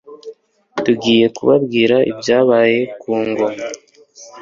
tugiye kubabwira ibyabaye ku ngoma.